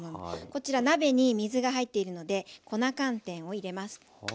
こちら鍋に水が入っているので粉寒天を入れます。